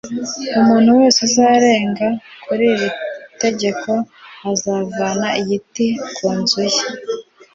Umuntu wese uzarenga b kuri iri tegeko bazavana igiti c ku nzu ye